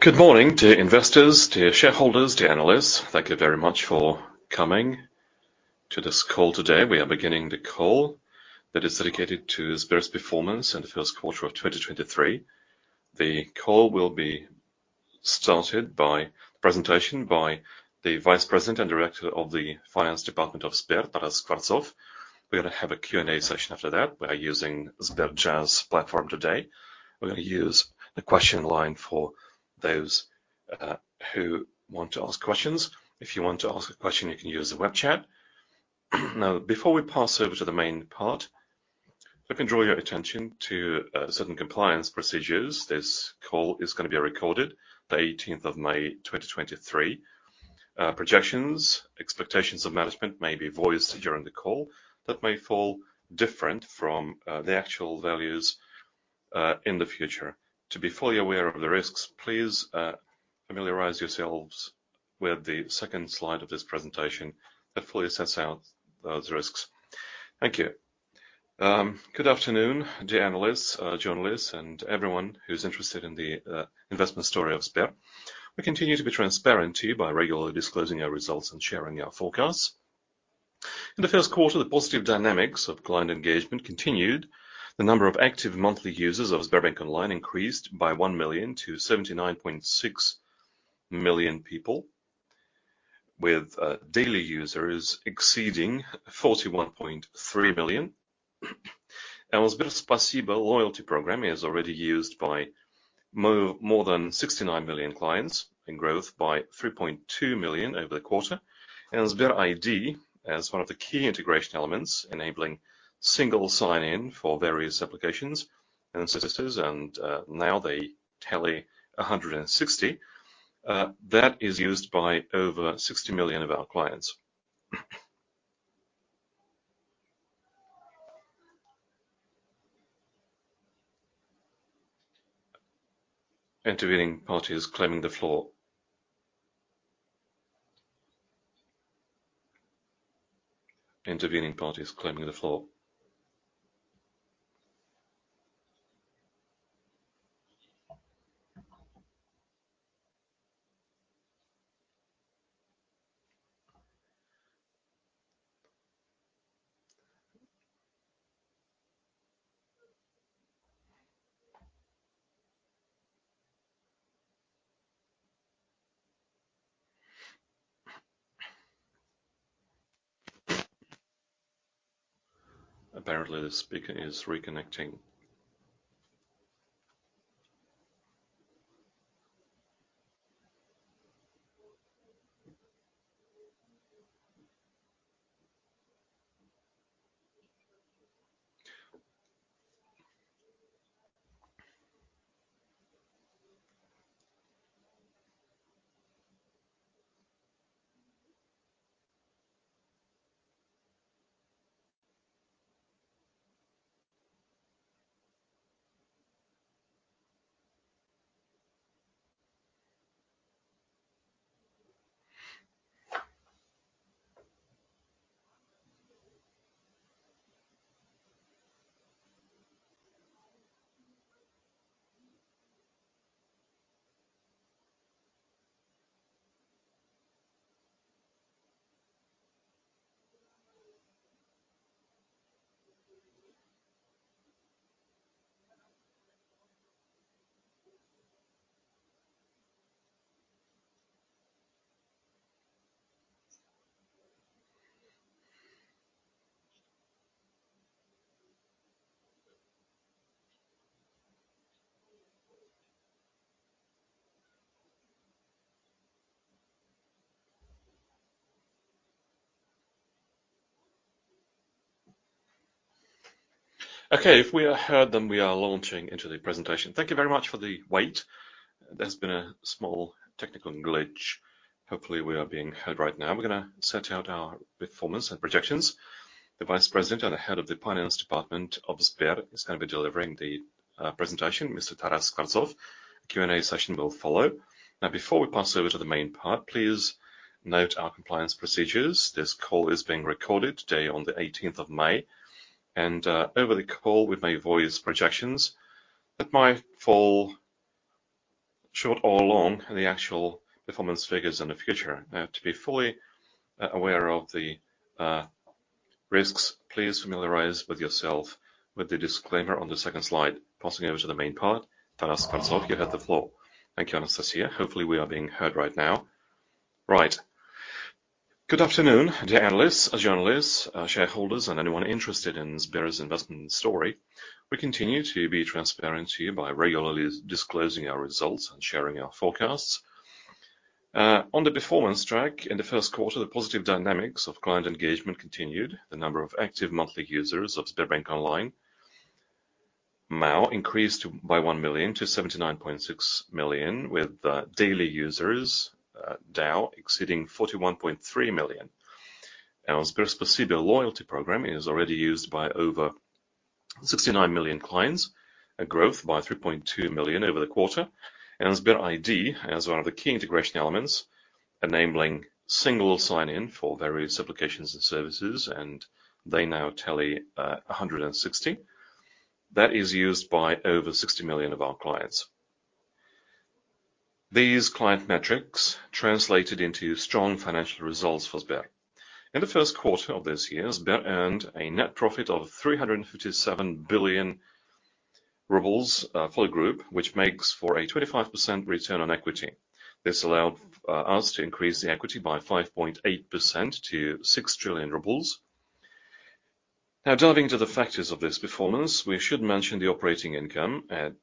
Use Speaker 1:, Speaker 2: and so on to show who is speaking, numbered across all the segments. Speaker 1: Good morning, dear investors, dear shareholders, dear analysts. Thank you very much for coming to this call today. We are beginning the call that is dedicated to Sber's performance in the 1st quarter of 2023. The call will be started by presentation by the Vice President and Director of the Finance Department of Sber, Taras Skvortsov. We're gonna have a Q&A session after that. We are using SberJazz platform today. We're gonna use the question line for those who want to ask questions. If you want to ask a question, you can use the web chat. Before we pass over to the main part, if I can draw your attention to certain compliance procedures. This call is gonna be recorded May 18, 2023. Projections, expectations of management may be voiced during the call that may fall different from the actual values in the future. To be fully aware of the risks, please familiarize yourselves with the second slide of this presentation that fully sets out those risks. Thank you. Good afternoon, dear analysts, journalists, and everyone who's interested in the investment story of Sber. We continue to be transparent to you by regularly disclosing our results and sharing our forecasts. In the first quarter, the positive dynamics of client engagement continued. The number of active monthly users of SberBank Online increased by 1 million to 79.6 million people, with daily users exceeding 41.3 million. Our SberSpasibo loyalty program is already used by more than 69 million clients, in growth by 3.2 million over the quarter. Sber ID, as one of the key integration elements enabling single sign-in for various applications and services, now they tally 160, that is used by over 60 million of our clients. Intervening party is claiming the floor. Intervening party is claiming the floor. Apparently, the speaker is reconnecting. Okay. If we are heard, then we are launching into the presentation. Thank you very much for the wait. There's been a small technical glitch. Hopefully, we are being heard right now. We're gonna set out our performance and projections. The vice president and the head of the finance department of Sber is gonna be delivering the presentation, Mr. Taras Skvortsov. A Q&A session will follow. Before we pass over to the main part, please note our compliance procedures. This call is being recorded today on the 18th of May, over the call, we may voice projections that might fall short or long the actual performance figures in the future. Now, to be fully aware of the risks, please familiarize yourself with the disclaimer on the second slide. Passing over to the main part. Taras Skvortsov, you have the floor.
Speaker 2: Thank you, Anastasia. Hopefully, we are being heard right now. Right. Good afternoon, dear analysts, journalists, shareholders, and anyone interested in Sber's investment story. We continue to be transparent to you by regularly disclosing our results and sharing our forecasts. On the performance track in the 1st quarter, the positive dynamics of client engagement continued. The number of active monthly users of SberBank Online, MAU, increased by 1 million to 79.6 million, with daily users, DAU, exceeding 41.3 million. Our SberSpasibo loyalty program is already used by over 69 million clients, a growth by 3.2 million over the quarter. Sber ID, as one of the key integration elements enabling single sign-in for various applications and services, is used by over 60 million of our clients. These client metrics translated into strong financial results for Sber. In the first quarter of this year, Sber earned a net profit of 357 billion rubles for the group, which makes for a 25% return on equity. This allowed us to increase the equity by 5.8% to 6 trillion rubles. Now, diving into the factors of this performance, we should mention the operating income at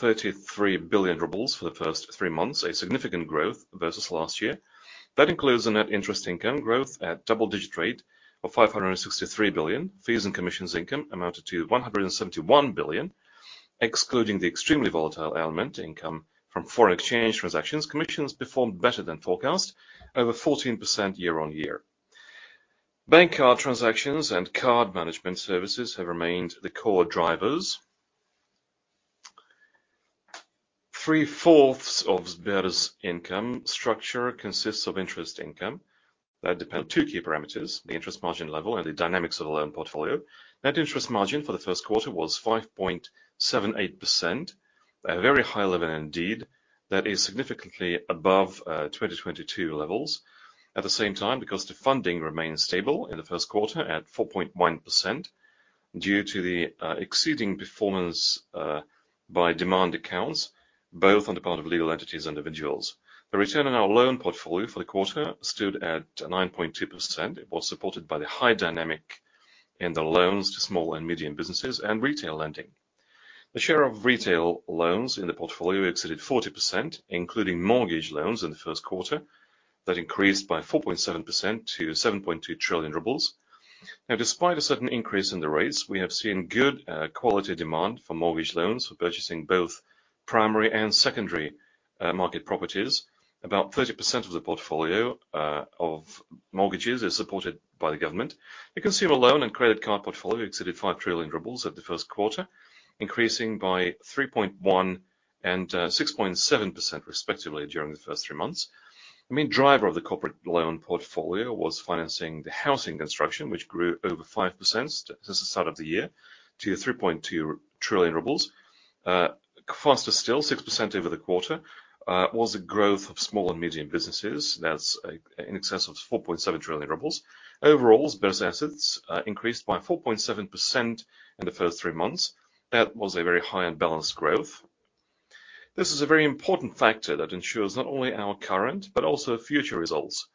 Speaker 2: 733 billion rubles for the first three months, a significant growth versus last year. That includes the net interest income growth at double-digit rate of 563 billion. Fees and commissions income amounted to 171 billion, excluding the extremely volatile element income from foreign exchange transactions. Commissions performed better than forecast over 14% year-on-year. Bank card transactions and card management services have remained the core drivers. Three-fourths of Sber's income structure consists of interest income that depend two key parameters, the interest margin level and the dynamics of the loan portfolio. Net interest margin for the first quarter was 5.78%. A very high level indeed that is significantly above 2022 levels. At the same time, because the funding remained stable in the first quarter at 4.1% due to the exceeding performance by demand accounts, both on the part of legal entities and individuals. The return on our loan portfolio for the quarter stood at 9.2%. It was supported by the high dynamic in the loans to small and medium businesses and retail lending. The share of retail loans in the portfolio exceeded 40%, including mortgage loans in the first quarter that increased by 4.7% to 7.2 trillion rubles. Now, despite a certain increase in the rates, we have seen good quality demand for mortgage loans for purchasing both primary and secondary market properties. About 30% of the portfolio of mortgages is supported by the government. The consumer loan and credit card portfolio exceeded 5 trillion rubles at the first quarter, increasing by 3.1 and 6.7% respectively during the first three months. The main driver of the corporate loan portfolio was financing the housing construction, which grew over 5% since the start of the year to 3.2 trillion rubles. Faster still, 6% over the quarter, was the growth of small and medium businesses. That's in excess of 4.7 trillion rubles. Overall, Sber's assets increased by 4.7% in the first three months. That was a very high and balanced growth. This is a very important factor that ensures not only our current but also future results,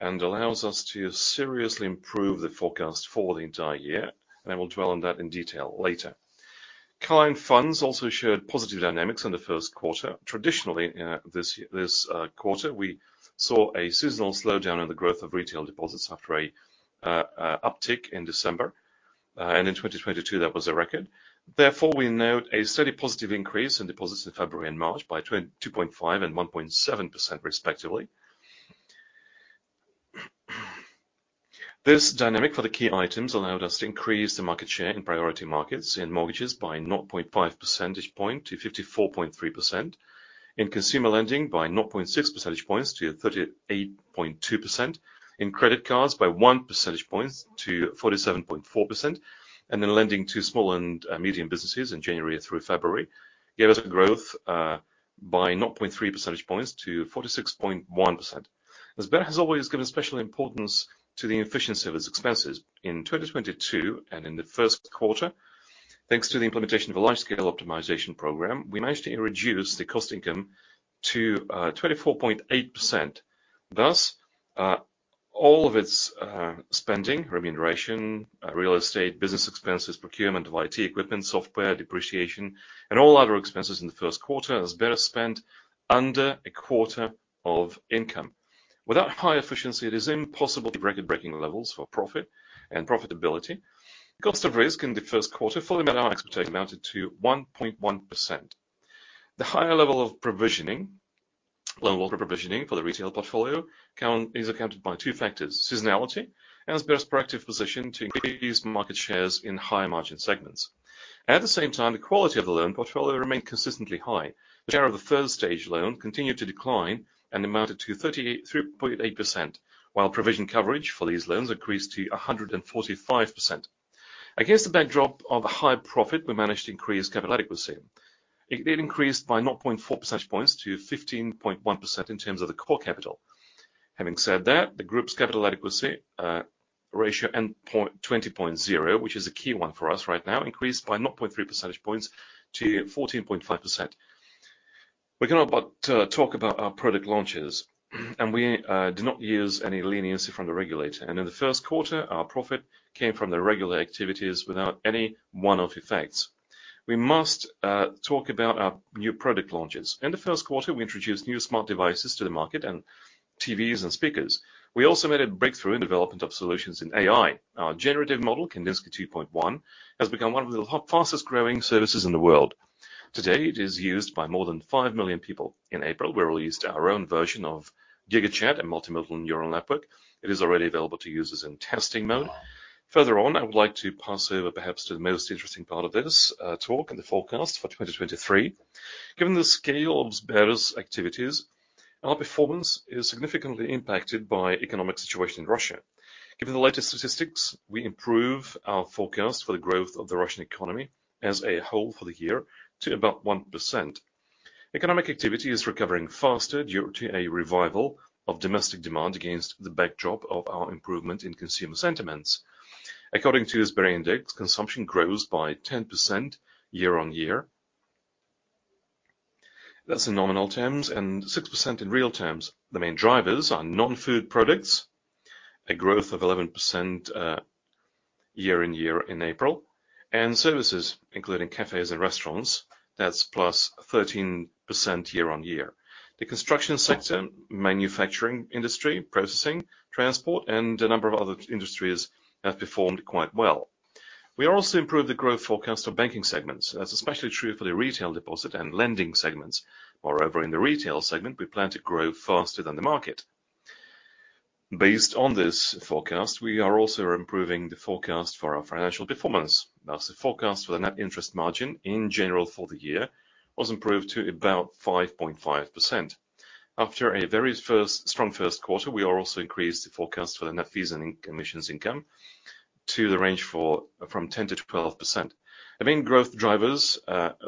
Speaker 2: and allows us to seriously improve the forecast for the entire year. I will dwell on that in detail later. Client funds also showed positive dynamics in the 1st quarter. Traditionally, this quarter, we saw a seasonal slowdown in the growth of retail deposits after a uptick in December. In 2022, that was a record. Therefore, we note a steady positive increase in deposits in February and March by 2.5% and 1.7% respectively. This dynamic for the key items allowed us to increase the market share in priority markets in mortgages by 0.5 percentage point to 54.3%. In consumer lending by 0.6 percentage points to 38.2%. In credit cards by 1 percentage points to 47.4%. In lending to small and medium businesses in January through February gave us a growth by 0.3 percentage points to 46.1%. Sber has always given special importance to the efficiency of its expenses. In 2022 and in the first quarter, thanks to the implementation of a large-scale optimization program, we managed to reduce the cost income to 24.8%. All of its spending, remuneration, real estate, business expenses, procurement of IT equipment, software depreciation, and all other expenses in the first quarter as Sber spent under a quarter of income. Without high efficiency, it is impossible to break at breaking levels for profit and profitability. Cost of risk in the first quarter fully met our expectation amounted to 1.1%. The higher level of provisioning, loan worker provisioning for the retail portfolio count is accounted by two factors, seasonality and Sber's proactive position to increase market shares in higher margin segments. The quality of the loan portfolio remained consistently high. The share of the first stage loan continued to decline and amounted to 3.8%, while provision coverage for these loans increased to 145%. Against the backdrop of a high profit, we managed to increase capital adequacy. It did increase by 0.4 percentage points to 15.1% in terms of the core capital. The group's capital adequacy ratio end point 20.0, which is a key one for us right now, increased by 0.3 percentage points to 14.5%. We cannot but talk about our product launches, and we do not use any leniency from the regulator. In the first quarter, our profit came from the regular activities without any one-off effects. We must talk about our new product launches. In the first quarter, we introduced new smart devices to the market and TVs and speakers. We also made a breakthrough in development of solutions in AI. Our generative model, Kandinsky 2.1, has become one of the fastest-growing services in the world. Today, it is used by more than five million people. In April, we released our own version of GigaChat, a multimodal neural network. It is already available to users in testing mode. Further on, I would like to pass over perhaps to the most interesting part of this talk and the forecast for 2023. Given the scale of Sber's activities, our performance is significantly impacted by the economic situation in Russia. Given the latest statistics, we improve our forecast for the growth of the Russian economy as a whole for the year to about 1%. Economic activity is recovering faster due to a revival of domestic demand against the backdrop of our improvement in consumer sentiments. According to the SberIndex, consumption grows by 10% year-on-year. That's in nominal terms and 6% in real terms. The main drivers are non-food products, a growth of 11% year-on-year in April, and services, including cafes and restaurants, that's +13% year-on-year. The construction sector, manufacturing industry, processing, transport, and a number of other industries have performed quite well. We also improved the growth forecast of banking segments. That's especially true for the retail deposit and lending segments. Moreover, in the retail segment, we plan to grow faster than the market. Based on this forecast, we are also improving the forecast for our financial performance. Thus, the forecast for the net interest margin in general for the year was improved to about 5.5%. After a strong first quarter, we are also increased the forecast for the net fees and commissions income to the range from 10%-12%. The main growth drivers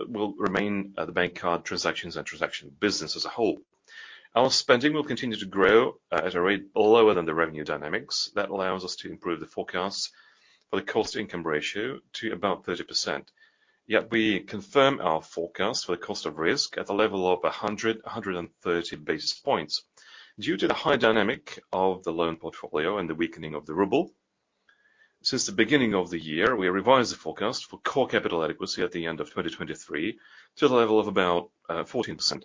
Speaker 2: will remain the bank card transactions and transaction business as a whole. Our spending will continue to grow at a rate lower than the revenue dynamics. That allows us to improve the forecast for the cost-income ratio to about 30%. Yet we confirm our forecast for the cost of risk at the level of 100-130 basis points. Due to the high dynamic of the loan portfolio and the weakening of the ruble, since the beginning of the year, we revised the forecast for core capital adequacy at the end of 2023 to the level of about 14%.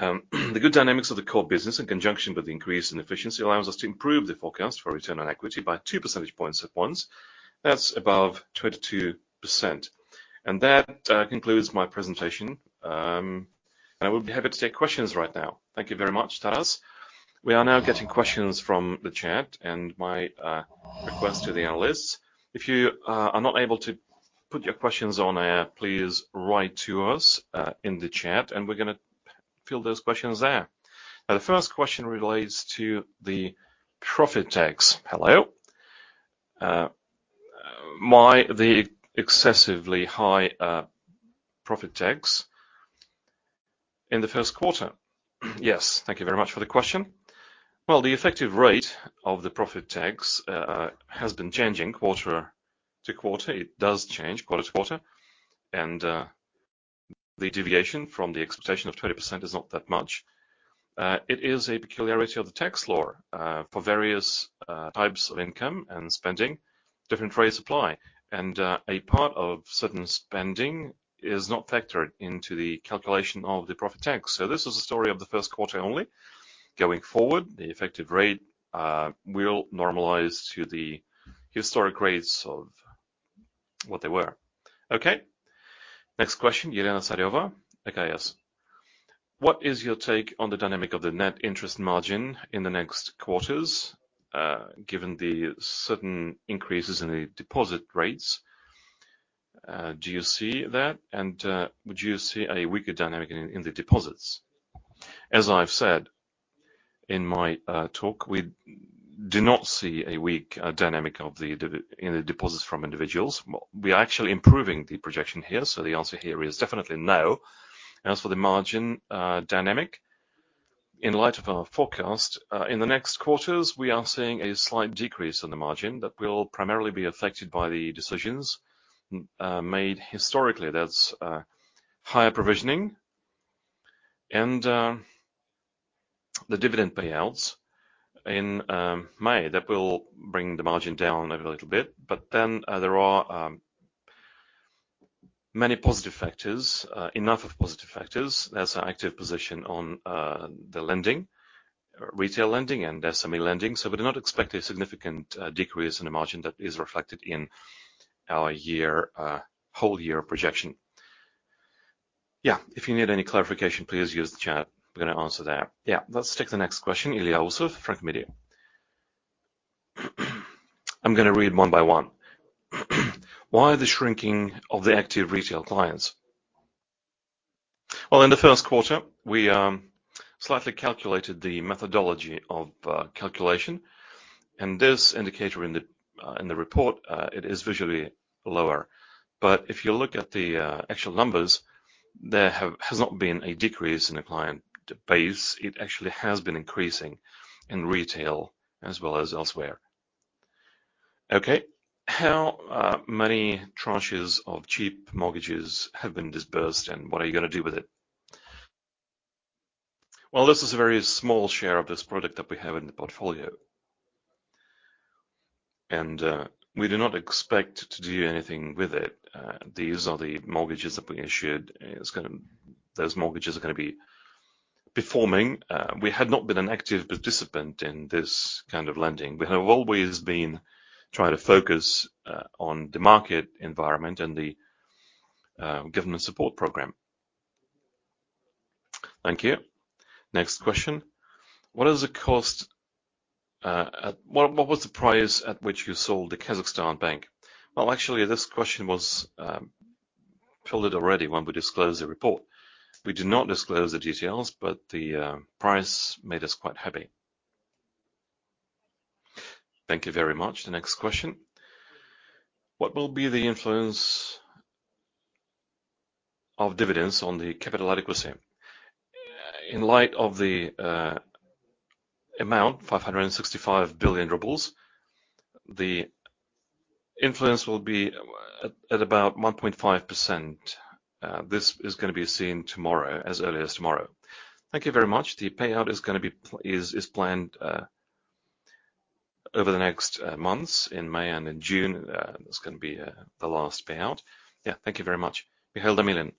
Speaker 2: The good dynamics of the core business in conjunction with the increase in efficiency allows us to improve the forecast for return on equity by 2 percentage points at once. That's above 22%. That concludes my presentation. I will be happy to take questions right now.
Speaker 1: Thank you very much, Taras. We are now getting questions from the chat and my request to the analysts. If you are not able to put your questions on air, please write to us in the chat, we're gonna fill those questions there. The first question relates to the profit tax. Hello. The excessively high profit tax in the first quarter. Yes.
Speaker 2: Thank you very much for the question. Well, the effective rate of the profit tax has been changing quarter to quarter. It does change quarter to quarter, the deviation from the expectation of 20% is not that much. It is a peculiarity of the tax law, for various types of income and spending, different rates apply, a part of certain spending is not factored into the calculation of the profit tax. This is a story of the first quarter only. Going forward, the effective rate will normalize to the historic rates of what they were. Okay.
Speaker 1: Next question, Elena Tsareva, BCS: What is your take on the dynamic of the net interest margin in the next quarters, given the certain increases in the deposit rates? Do you see that? Would you see a weaker dynamic in the deposits?
Speaker 2: As I've said in my talk, we do not see a weak dynamic in the deposits from individuals. We are actually improving the projection here. The answer here is definitely no. As for the margin dynamic, in light of our forecast, in the next quarters, we are seeing a slight decrease in the margin that will primarily be affected by the decisions made historically. That's higher provisioning and the dividend payouts in May. That will bring the margin down a little bit. There are many positive factors, enough of positive factors. That's an active position on the lending, retail lending, and SME lending. We do not expect a significant decrease in the margin that is reflected in our year, whole year projection.
Speaker 1: Yeah, if you need any clarification, please use the chat. We're gonna answer there. Yeah. Let's take the next question. Ilya Usov, Frank Media. I'm gonna read one by one. Why the shrinking of the active retail clients?
Speaker 2: Well, in the first quarter, we slightly calculated the methodology of calculation. This indicator in the report, it is visually lower. If you look at the actual numbers, there has not been a decrease in the client base. It actually has been increasing in retail as well as elsewhere.
Speaker 1: How many tranches of cheap mortgages have been disbursed, and what are you gonna do with it?
Speaker 2: Well, this is a very small share of this product that we have in the portfolio. We do not expect to do anything with it. These are the mortgages that we issued. Those mortgages are gonna be performing. We had not been an active participant in this kind of lending. We have always been trying to focus on the market environment and the government support program.
Speaker 1: Thank you. Next question: What was the price at which you sold the Kazakhstan bank?
Speaker 2: Well, actually, this question was told already when we disclosed the report. We did not disclose the details, the price made us quite happy.
Speaker 1: Thank you very much. The next question: What will be the influence of dividends on the capital adequacy?
Speaker 2: In light of the amount, 565 billion rubles, the influence will be at about 1.5%. This is gonna be seen tomorrow, as early as tomorrow. Thank you very much. The payout is gonna be planned over the next months in May and in June. That's gonna be the last payout.
Speaker 1: Yeah. Thank you very much. Mikhail Ganelin.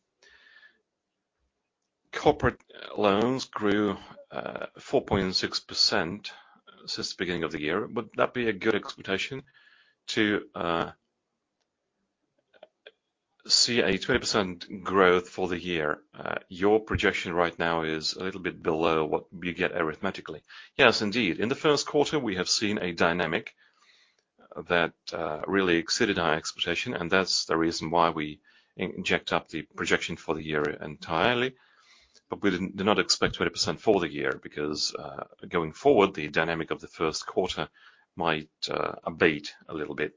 Speaker 1: Corporate loans grew 4.6% since the beginning of the year. Would that be a good expectation to see a 20% growth for the year? Your projection right now is a little bit below what you get arithmetically.
Speaker 2: Yes, indeed. In the first quarter, we have seen a dynamic that really exceeded our expectation, and that's the reason why we inject up the projection for the year entirely. We did not expect 20% for the year because, going forward, the dynamic of the first quarter might abate a little bit.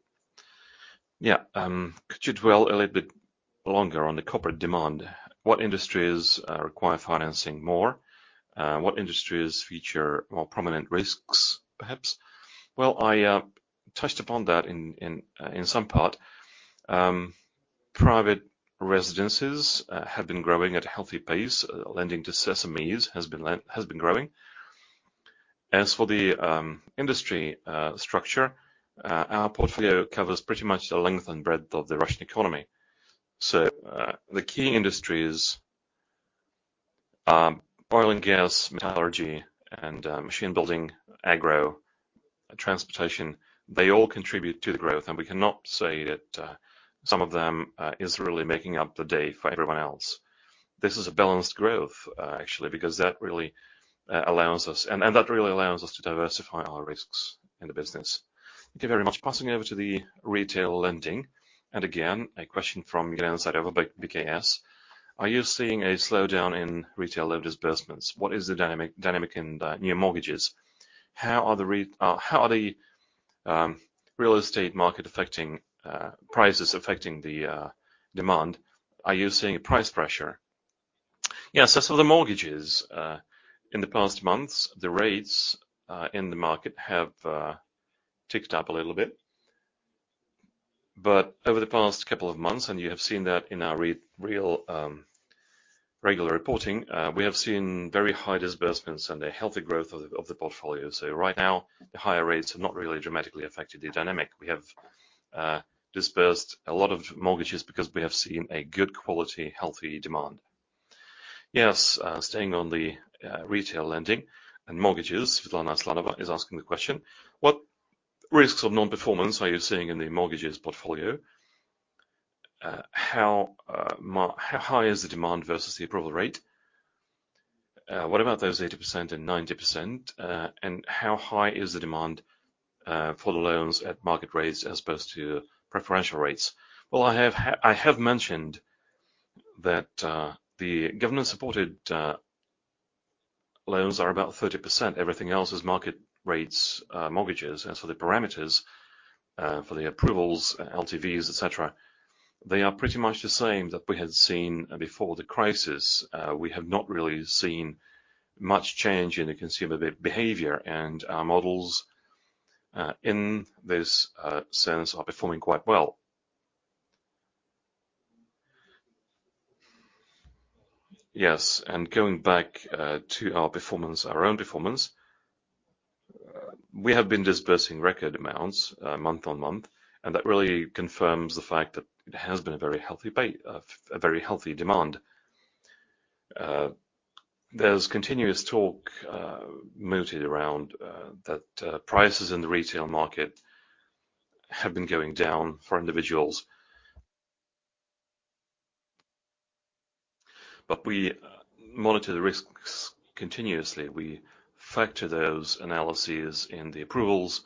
Speaker 1: Yeah. Could you dwell a little bit longer on the corporate demand? What industries require financing more? What industries feature more prominent risks, perhaps?
Speaker 2: Well, I touched upon that in some part. Private residences have been growing at a healthy pace. Lending to SMEs has been growing. As for the industry structure, our portfolio covers pretty much the length and breadth of the Russian economy. The key industries are oil and gas, metallurgy and machine building, agro, transportation. They all contribute to the growth, we cannot say that some of them is really making up the day for everyone else. This is a balanced growth, actually, because that really allows us to diversify our risks in the business.
Speaker 1: Thank you very much. Passing over to the retail lending, and again, a question from Elena Sakhnova by BCS. Are you seeing a slowdown in retail loan disbursements? What is the dynamic in the new mortgages? How are the real estate market affecting prices affecting the demand? Are you seeing a price pressure? Yes.
Speaker 2: As for the mortgages, in the past months, the rates in the market have ticked up a little bit. Over the past couple of months, and you have seen that in our regular reporting, we have seen very high disbursements and a healthy growth of the, of the portfolio. Right now, the higher rates have not really dramatically affected the dynamic. We have disbursed a lot of mortgages because we have seen a good quality, healthy demand.
Speaker 1: Yes, staying on the retail lending and mortgages, Svetlana Aslanova is asking the question: What risks of non-performance are you seeing in the mortgages portfolio? How high is the demand versus the approval rate? What about those 80% and 90%?
Speaker 2: How high is the demand for the loans at market rates as opposed to preferential rates? Well, I have mentioned that the government-supported loans are about 30%. Everything else is market rates, mortgages. The parameters for the approvals, LTVs, et cetera, they are pretty much the same that we had seen before the crisis. We have not really seen much change in the consumer behavior, and our models in this sense are performing quite well. Yes. Going back to our performance, our own performance, we have been disbursing record amounts month on month, and that really confirms the fact that it has been a very healthy demand. There's continuous talk mooted around that prices in the retail market have been going down for individuals. We monitor the risks continuously. We factor those analyses in the approvals,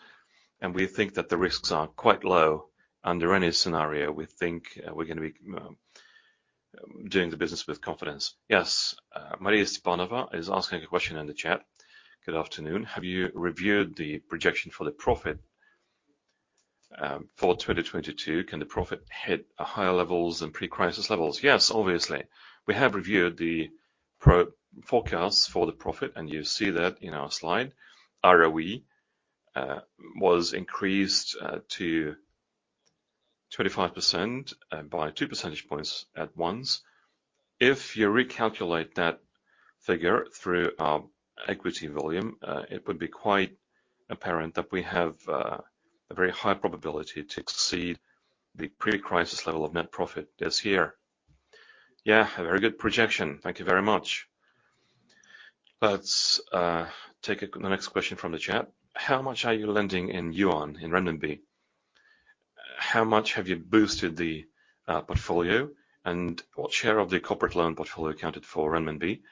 Speaker 2: we think that the risks are quite low under any scenario. We think we're gonna be doing the business with confidence.
Speaker 1: Yes. Maria Stepanova is asking a question in the chat. Good afternoon. Have you reviewed the projection for the profit for 2022? Can the profit hit a higher levels than pre-crisis levels?
Speaker 2: Yes, obviously. We have reviewed the forecast for the profit, you see that in our slide. ROE was increased to 25% by 2 percentage points at once. If you recalculate that figure through our equity volume, it would be quite apparent that we have a very high probability to exceed the pre-crisis level of net profit this year. Yeah, a very good projection.
Speaker 1: Thank you very much. Let's take the next question from the chat. How much are you lending in yuan, in renminbi? How much have you boosted the portfolio? What share of the corporate loan portfolio accounted for renminbi?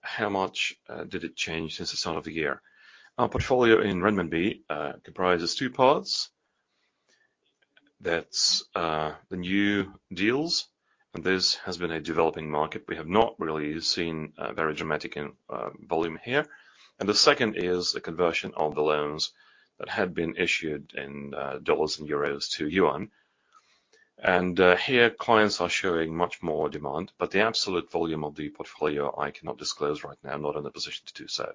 Speaker 1: How much did it change since the start of the year?
Speaker 2: Our portfolio in renminbi comprises two parts. That's the new deals, and this has been a developing market. We have not really seen a very dramatic in volume here. The second is the conversion of the loans that had been issued in dollars and euros to yuan. Here, clients are showing much more demand, but the absolute volume of the portfolio, I cannot disclose right now. I'm not in a position to do so.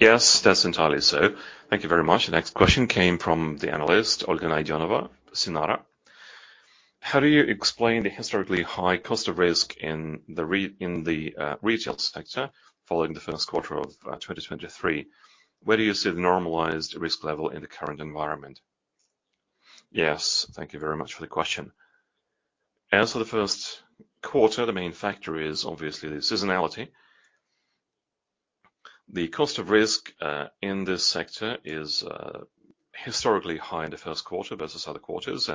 Speaker 2: Yes, that's entirely so.
Speaker 1: Thank you very much. The next question came from the analyst, Olga Naidenova, Sinara. How do you explain the historically high cost of risk in the retail sector following the first quarter of 2023? Where do you see the normalized risk level in the current environment?
Speaker 2: Yes. Thank you very much for the question. As for the first quarter, the main factor is obviously the seasonality. The cost of risk in this sector is historically high in the first quarter versus other quarters.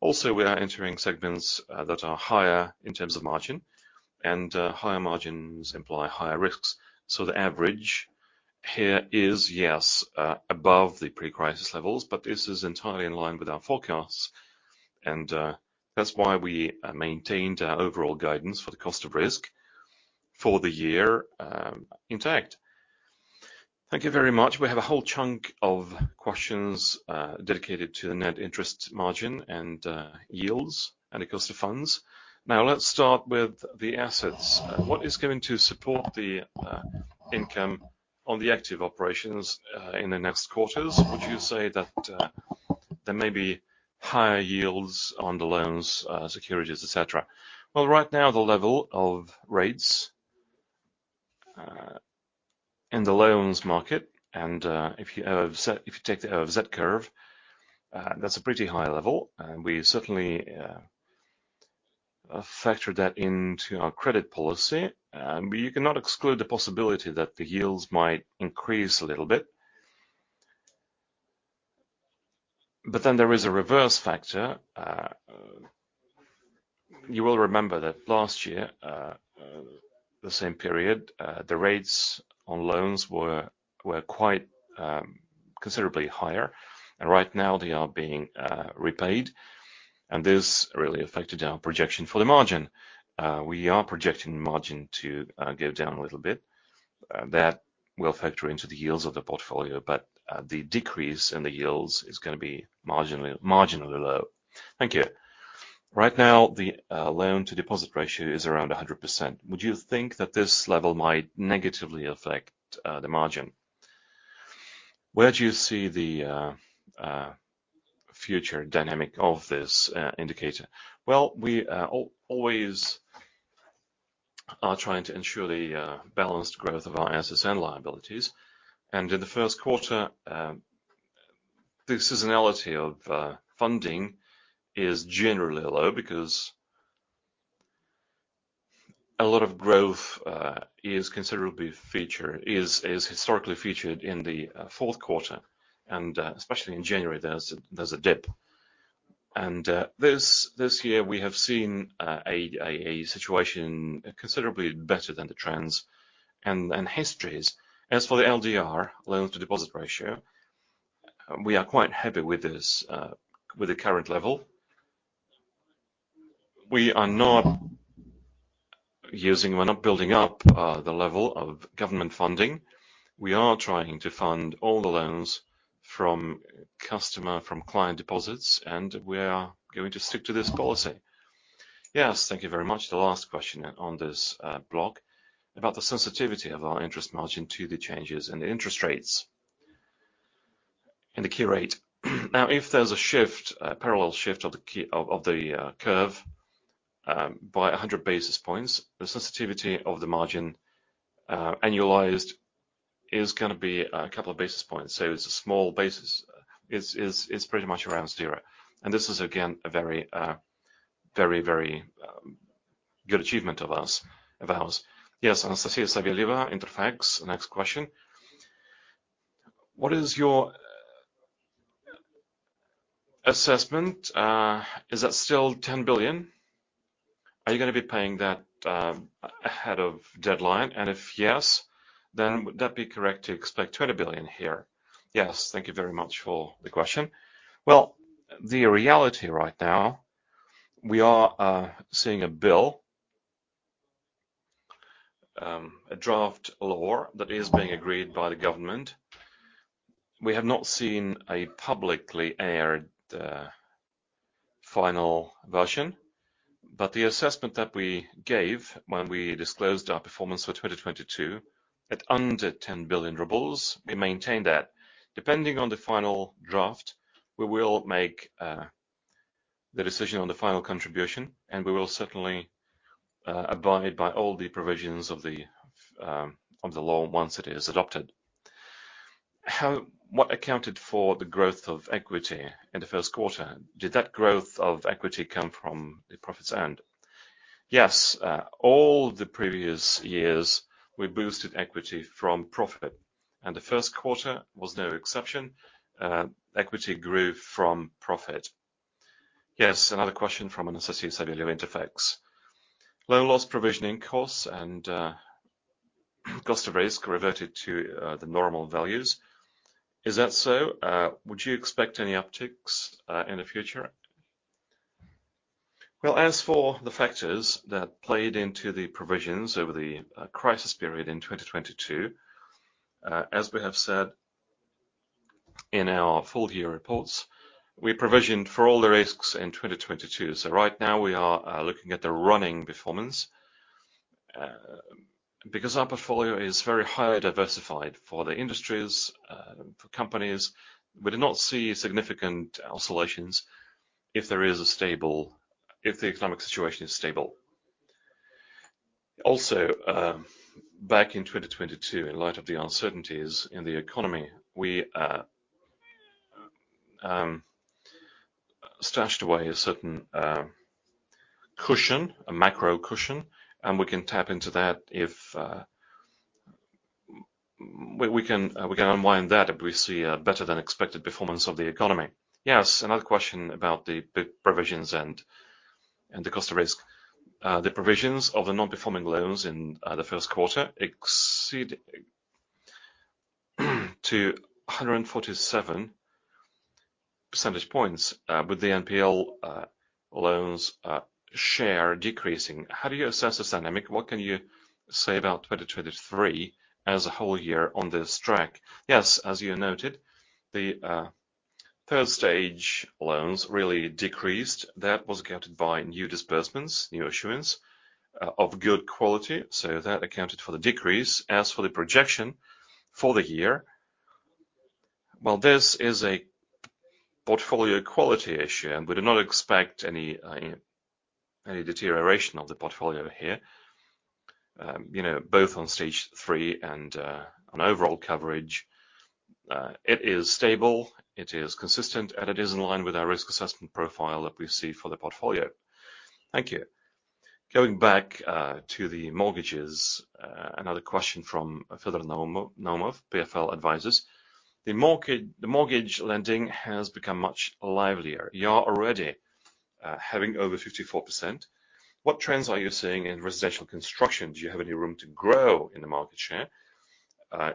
Speaker 2: Also, we are entering segments that are higher in terms of margin, and higher margins imply higher risks. The average here is, yes, above the pre-crisis levels, but this is entirely in line with our forecasts. That's why we maintained our overall guidance for the cost of risk for the year intact.
Speaker 1: Thank you very much. We have a whole chunk of questions dedicated to the net interest margin and yields and the cost of funds. Now let's start with the assets. What is going to support the income on the active operations in the next quarters? Would you say that there may be higher yields on the loans, securities, et cetera?
Speaker 2: Well, right now, the level of rates in the loans market and if you take the G-curve, that's a pretty high level. We certainly factor that into our credit policy, but you cannot exclude the possibility that the yields might increase a little bit. There is a reverse factor. You will remember that last year, the same period, the rates on loans were quite considerably higher, and right now they are being repaid. This really affected our projection for the margin. We are projecting margin to go down a little bit. That will factor into the yields of the portfolio, but the decrease in the yields is gonna be marginally low.
Speaker 1: Thank you. Right now, the loan-to-deposit ratio is around 100%. Would you think that this level might negatively affect the margin? Where do you see the future dynamic of this indicator?
Speaker 2: Well, we always are trying to ensure the balanced growth of our SSN liabilities. In the first quarter, the seasonality of funding is generally low because a lot of growth is historically featured in the fourth quarter, and especially in January, there's a dip. This year, we have seen a situation considerably better than the trends and histories. As for the LDR, loans-to-deposit ratio, we are quite happy with this with the current level. We're not building up the level of government funding. We are trying to fund all the loans from client deposits, and we are going to stick to this policy. Yes. Thank you very much. The last question on this block about the sensitivity of our interest margin to the changes in the interest rates and the key rate. Now, if there's a shift, a parallel shift of the curve, by 100 basis points, the sensitivity of the margin, annualized is gonna be 2 basis points. It's a small basis. It's pretty much around zero. This is again a very good achievement of us, of ours.
Speaker 1: Yes, Anastasia Savelieva, Interfax, the next question. What is your assessment? Is that still 10 billion? Are you gonna be paying that ahead of deadline? If yes, then would that be correct to expect 20 billion here?
Speaker 2: Yes. Thank you very much for the question. The reality right now, we are seeing a bill, a draft law that is being agreed by the government. We have not seen a publicly aired final version, the assessment that we gave when we disclosed our performance for 2022 at under 10 billion rubles, we maintain that. Depending on the final draft, we will make the decision on the final contribution, we will certainly abide by all the provisions of the law once it is adopted.
Speaker 1: What accounted for the growth of equity in the first quarter? Did that growth of equity come from the profits end?
Speaker 2: Yes, all the previous years, we boosted equity from profit, the first quarter was no exception. Equity grew from profit.
Speaker 1: Yes, another question from Anastasia Savelyev of Interfax. Loan loss provisioning costs and cost of risk reverted to the normal values. Is that so? Would you expect any upticks in the future?
Speaker 2: Well, as for the factors that played into the provisions over the crisis period in 2022, as we have said in our full year reports, we provisioned for all the risks in 2022. Right now we are looking at the running performance. Because our portfolio is very highly diversified for the industries, for companies, we do not see significant oscillations if the economic situation is stable. Also, back in 2022, in light of the uncertainties in the economy, we stashed away a certain cushion, a macro cushion, and we can tap into that if, uh... We can unwind that if we see a better than expected performance of the economy.
Speaker 1: Another question about the provisions and the cost of risk. The provisions of the non-performing loans in the first quarter exceed to 147 percentage points with the NPL loans share decreasing. How do you assess this dynamic? What can you say about 2023 as a whole year on this track?
Speaker 2: As you noted, the third stage loans really decreased. That was accounted by new disbursements, new issuance of good quality, so that accounted for the decrease. As for the projection for the year, well, this is a portfolio quality issue, and we do not expect any deterioration of the portfolio here. You know, both on stage three and on overall coverage. It is stable, it is consistent, and it is in line with our risk assessment profile that we see for the portfolio.
Speaker 1: Thank you. Going back to the mortgages, another question from Fedor Naumov, PFL Advisors. The mortgage lending has become much livelier. You are already having over 54%. What trends are you seeing in residential construction? Do you have any room to grow in the market share?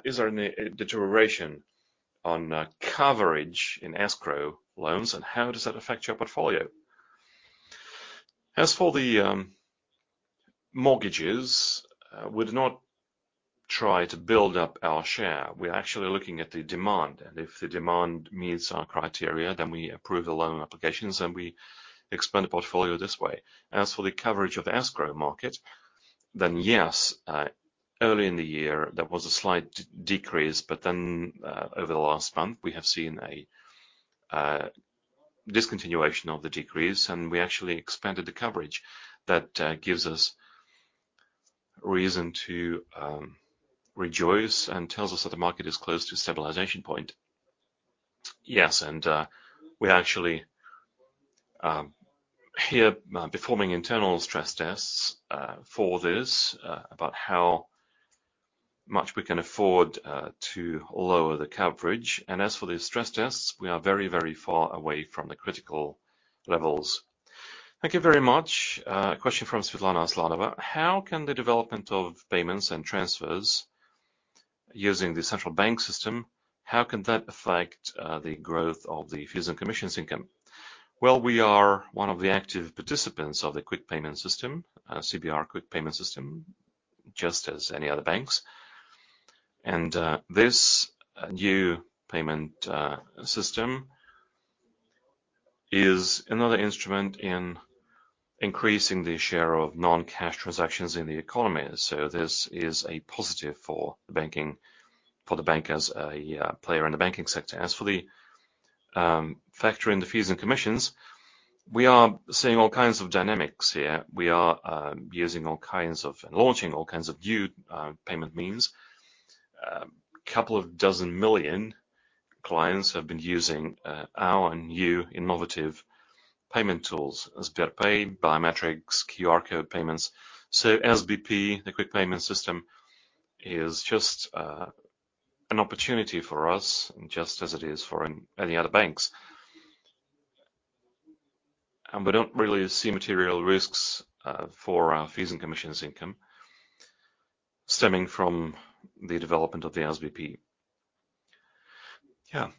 Speaker 1: Is there any deterioration on coverage in escrow loans, and how does that affect your portfolio?
Speaker 2: As for the mortgages, we do not try to build up our share. We are actually looking at the demand, and if the demand meets our criteria, then we approve the loan applications, and we expand the portfolio this way. As for the coverage of escrow market, then yes. Early in the year, there was a slight decrease, over the last month, we have seen a discontinuation of the decrease, and we actually expanded the coverage. That gives us reason to rejoice and tells us that the market is close to a stabilization point. Yes, we actually here performing internal stress tests for this about how much we can afford to lower the coverage. As for the stress tests, we are very far away from the critical levels.
Speaker 1: Thank you very much. A question from Svetlana Aslanova. How can the development of payments and transfers using the central bank system, how can that affect the growth of the fees and commissions income?
Speaker 2: We are one of the active participants of the quick payment system, CBR Faster Payments System, just as any other banks. This new payment system is another instrument in increasing the share of non-cash transactions in the economy. This is a positive for the banking, for the bank as a player in the banking sector. As for the factor in the fees and commissions, we are seeing all kinds of dynamics here. We are using all kinds of, and launching all kinds of new payment means. Couple of dozen million clients have been using our new innovative payment tools as SberPay, biometrics, QR code payments. SBP, the quick payment system, is just an opportunity for us, just as it is for any other banks. We don't really see material risks for our fees and commissions income stemming from the development of the SBP.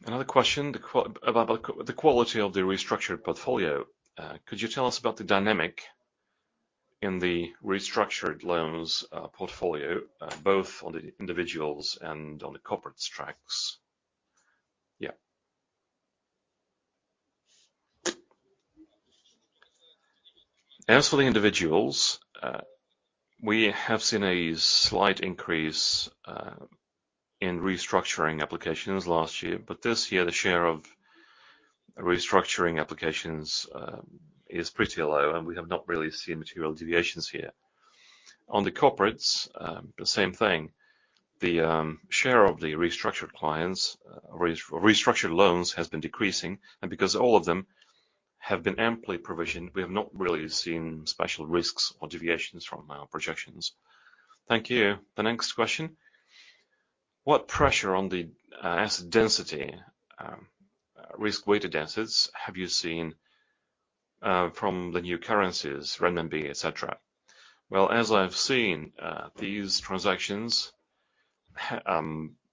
Speaker 1: Another question about the quality of the restructured portfolio. Could you tell us about the dynamic in the restructured loans portfolio both on the individuals and on the corporate tracks?
Speaker 2: As for the individuals, we have seen a slight increase in restructuring applications last year. This year, the share of restructuring applications is pretty low, and we have not really seen material deviations here. On the corporates, the same thing. The share of the restructured clients, restructured loans has been decreasing. Because all of them have been amply provisioned, we have not really seen special risks or deviations from our projections. Thank you.
Speaker 1: The next question: What pressure on the asset density, risk-weighted assets have you seen from the new currencies, renminbi, et cetera?
Speaker 2: Well, as I've seen, these transactions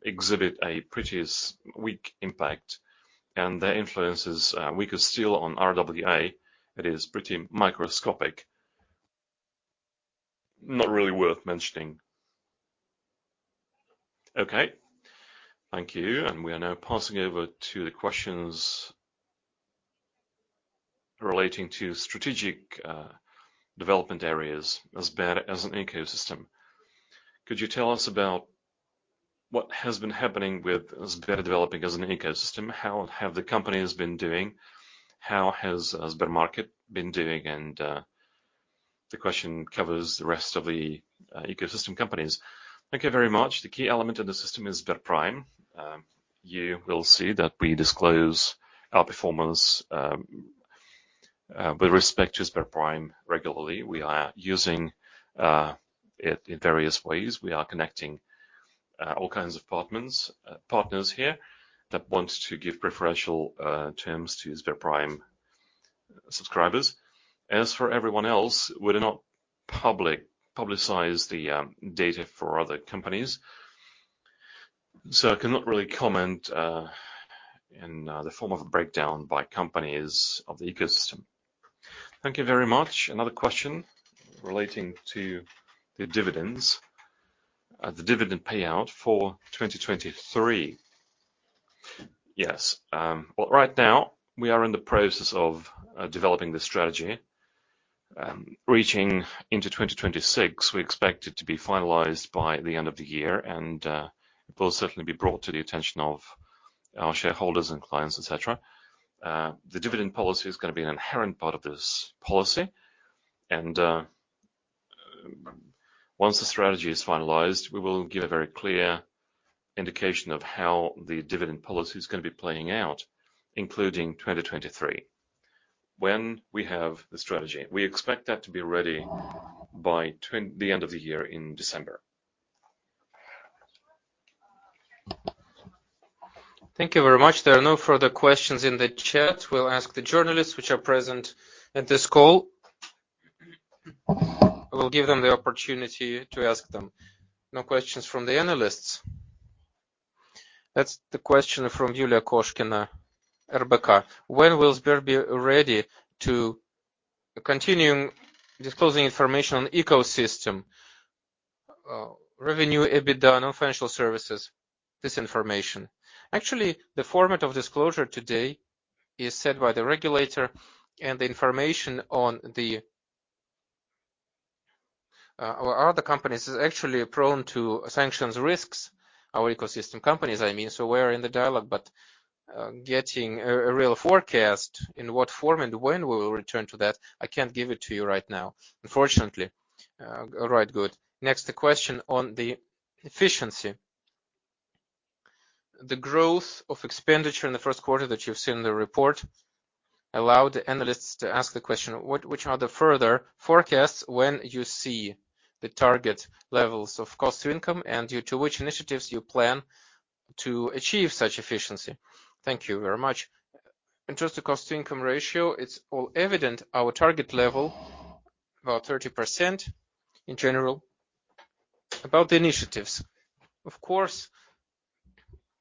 Speaker 2: exhibit a pretty weak impact, and their influence is weaker still on RWA. It is pretty microscopic. Not really worth mentioning.
Speaker 1: Okay. Thank you. We are now passing over to the questions relating to strategic development areas as Sber as an ecosystem. Could you tell us about what has been happening with Sber developing as an ecosystem? How have the companies been doing? How has SberMarket been doing?
Speaker 2: The question covers the rest of the ecosystem companies. Thank you very much. The key element in the system is SberPrime. You will see that we disclose our performance with respect to SberPrime regularly. We are using it in various ways. We are connecting all kinds of partners here that want to give preferential terms to SberPrime subscribers. As for everyone else, we do not publicize the data for other companies, so I cannot really comment in the form of a breakdown by companies of the ecosystem.
Speaker 1: Thank you very much. Another question relating to the dividends, the dividend payout for 2023.
Speaker 2: Yes. Well, right now, we are in the process of developing the strategy, reaching into 2026. We expect it to be finalized by the end of the year, and it will certainly be brought to the attention of our shareholders and clients, et cetera. The dividend policy is gonna be an inherent part of this policy, and once the strategy is finalized, we will give a very clear indication of how the dividend policy is gonna be playing out, including 2023 when we have the strategy. We expect that to be ready by the end of the year in December.
Speaker 1: Thank you very much. There are no further questions in the chat. We'll ask the journalists which are present at this call. We'll give them the opportunity to ask them. No questions from the analysts. That's the question from Yulia Koshkina, RBC. When will Sber be ready to continuing disclosing information on ecosystem, revenue, EBITDA, non-financial services, this information?
Speaker 2: Actually, the format of disclosure today is set by the regulator, the information on the or other companies is actually prone to sanctions risks, our ecosystem companies, I mean. We're in the dialogue, but, getting a real forecast in what form and when we will return to that, I can't give it to you right now, unfortunately.
Speaker 1: All right, good. Next, the question on the efficiency. The growth of expenditure in the first quarter that you've seen in the report allowed the analysts to ask the question, which are the further forecasts when you see the target levels of cost to income, and due to which initiatives you plan to achieve such efficiency?
Speaker 2: Thank you very much. In terms of cost-income ratio, it's all evident our target level, about 30% in general. About the initiatives, of course,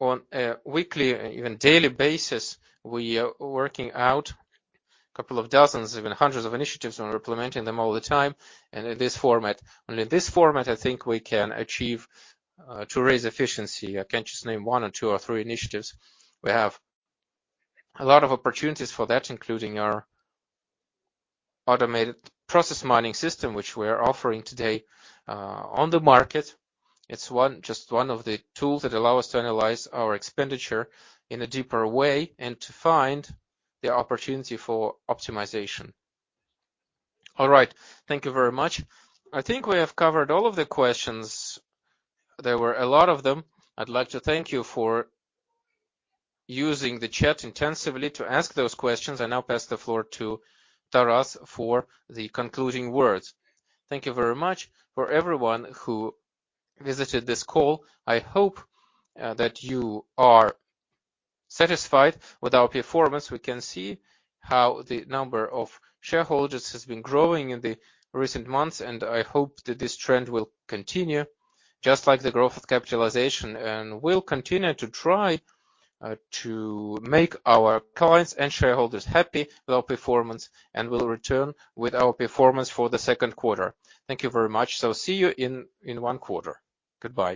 Speaker 2: on a weekly, even daily basis, we are working out a couple of dozens, even hundreds of initiatives, and we're implementing them all the time, and in this format. Only in this format, I think we can achieve to raise efficiency. I can't just name one or two or three initiatives. We have a lot of opportunities for that, including our automated process mining system, which we are offering today on the market. It's just one of the tools that allow us to analyze our expenditure in a deeper way and to find the opportunity for optimization.
Speaker 1: All right. Thank you very much. I think we have covered all of the questions. There were a lot of them. I'd like to thank you for using the chat intensively to ask those questions. I now pass the floor to Taras for the concluding words.
Speaker 2: Thank you very much for everyone who visited this call. I hope that you are satisfied with our performance. We can see how the number of shareholders has been growing in the recent months, and I hope that this trend will continue, just like the growth of capitalization. We'll continue to try to make our clients and shareholders happy with our performance, and we'll return with our performance for the